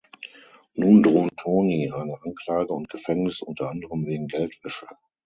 Nun drohen Tony eine Anklage und Gefängnis unter anderem wegen Geldwäsche.